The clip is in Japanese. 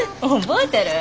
覚えてる？